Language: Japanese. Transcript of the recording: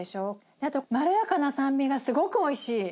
あとまろやかな酸味がすごくおいしい。